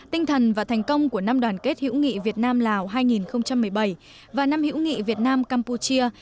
tinh thần và thành công của năm đoàn kết hữu nghị việt nam lào hai nghìn một mươi bảy và năm hữu nghị việt nam campuchia